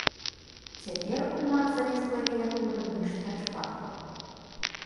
Цяпер у нас замест клавіятуры мыш-тачпад.